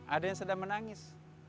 ada yang sedang menangis